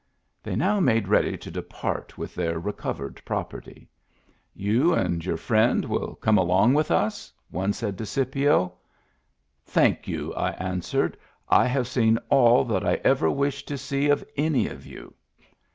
They now made ready to depart with their recovered property. "You and your friend will come along with us ?" one said to Scipio. " Thank you," I answered. " I have seen all that I ever wish to see of any of you."